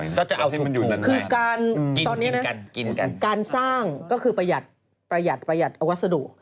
เราจะเอาถูกคือการตอนนี้นะการสร้างก็คือประหยัดประหยัดวัสดุ